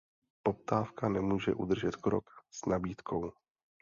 Poptávka nemůže udržet krok s nabídkou.